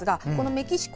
メキシコ―